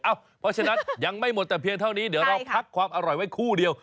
เพราะฉะนั้นยังไม่หมดแต่เพียงเท่านี้เดี๋ยวเราพักความอร่อยไว้คู่เดียว